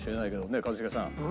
ねえ一茂さん。